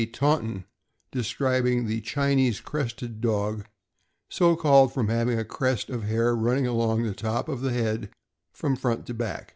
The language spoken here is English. Taunton, describing the Chinese Crested Dog, so called from having a crest of hair running along the top of the head from front to back.